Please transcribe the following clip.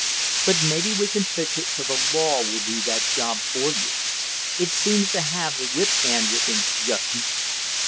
But maybe we can fix it so the law will do that job for you. It seems to have the whip hand with him just now.